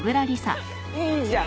いいじゃん。